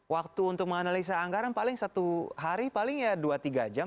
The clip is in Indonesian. waktu untuk menganalisa anggaran paling satu hari paling ya dua tiga jam